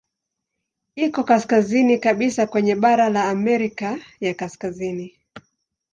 Iko kaskazini kabisa kwenye bara la Amerika ya Kaskazini.